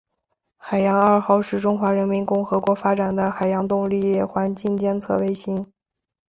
海洋二号是中华人民共和国发展的海洋动力环境监测卫星。